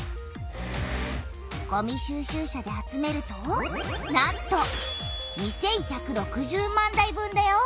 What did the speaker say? ごみ収集車で集めるとなんと２１６０万台分だよ！